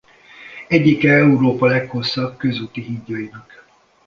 Egyike Európa leghosszabb közúti hídjainak.